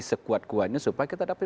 sekuat kuatnya supaya kita dapat